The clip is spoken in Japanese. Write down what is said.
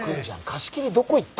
貸し切りどこいった。